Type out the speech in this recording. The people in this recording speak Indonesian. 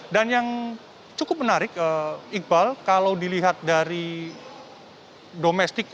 dan yang cukup menarik iqbal kalau dilihat dari domestik